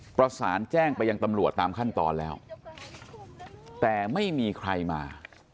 ประสานแจ้งไปยังตำรวจตามขั้นตอนแล้วแต่ไม่มีใครมา